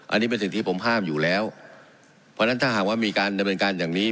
อันนี้เป็นสิ่งที่ผมห้ามอยู่แล้วเพราะฉะนั้นถ้าหากว่ามีการแบบนี้